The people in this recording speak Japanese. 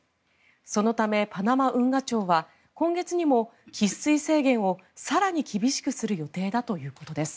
そのためパナマ運河庁は今月にも喫水制限を更に厳しくする予定だということです。